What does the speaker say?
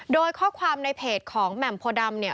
โดยข้อความในเพจของแหม่มโพดำเนี่ย